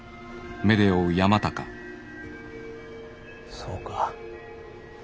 そうか。